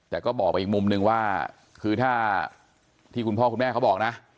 แต่ก็บอกไปอีกมุมนึงว่าคือถ้าที่คุณพ่อคุณแม่เขาบอกนะ